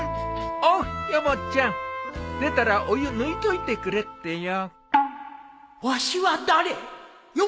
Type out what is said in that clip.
おうヨモちゃん出たらお湯抜いといてくれってよ。